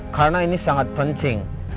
karena ini sangat penting